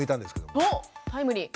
おっタイムリー。